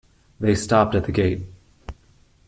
They stopped at the gate.